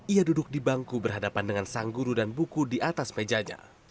ia duduk di bangku berhadapan dengan sang guru dan buku di atas mejanya